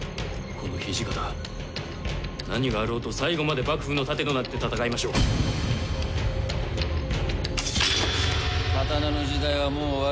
この土方何があろうと最後まで幕府の盾となって戦いましょう。